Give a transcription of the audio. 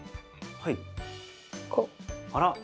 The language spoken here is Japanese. はい。